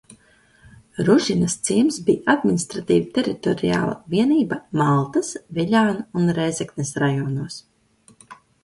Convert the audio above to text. Ružinas ciems bija administratīvi teritoriāla vienība Maltas, Viļānu un Rēzeknes rajonos.